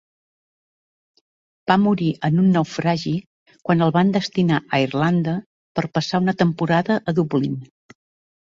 Va morir en un naufragi quan el van destinar a Irlanda per passar una temporada a Dublín.